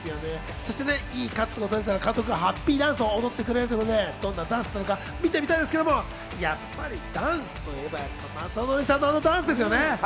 そして、いいカットが撮れたら監督がハッピーダンスを送ってくれるということで見てみたいものですが、やっぱりダンスといえば、雅紀さんのあのダンスですよね。